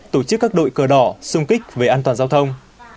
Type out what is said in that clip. tổ chức các đội cờ đỏ sung kích về an toàn giao thông